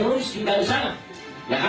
pemerintah di sini tidak ada masalah